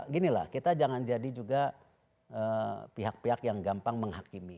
ginilah kita jangan jadi juga pihak pihak yang gampang menghakimi